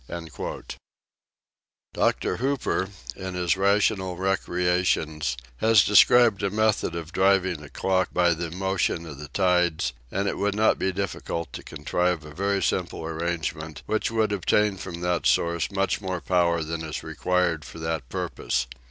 40 THE SEVEN FOLLIES OF SCIENCE Dr. Hooper, in his "Rational Recreations," has described a method of driving a clock by the motion of the tides, and it would not be difficult to contrive a very simple arrange ment which would obtain from that source much more power than is required for that purpose.